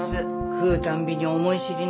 食うたんびに思い知りな。